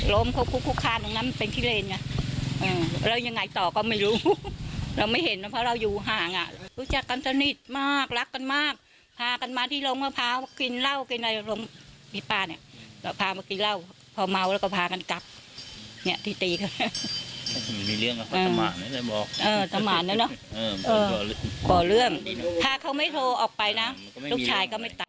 ล้มคุกคุกคานของนั้นเป็นทิเรนไงแล้วยังไงต่อก็ไม่รู้เราไม่เห็นว่าเพราะเราอยู่ห่างอ่ะ